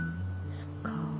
そっか。